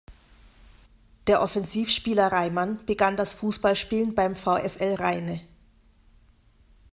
Der Offensivspieler Reimann begann das Fußballspielen beim VfL Rheine.